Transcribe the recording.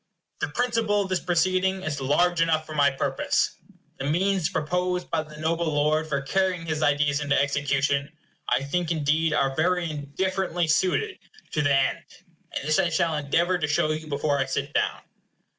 The principle of this proceeding is large enough for my purpose. The means proposed by the noble lord for carrying his ideas into execution, I think, indeed, are very indifferently suited to the end; an d this I shall endeavor to show you before I sit down.